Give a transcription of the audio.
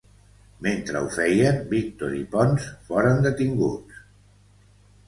Mentre ho feien, Víctor i Ponç foren detinguts.